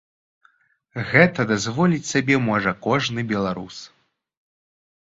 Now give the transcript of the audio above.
Гэта дазволіць сабе можа кожны беларус.